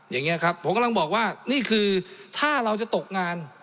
อย่างนี้ครับผมกำลังบอกว่านี่คือถ้าเราจะตกงาน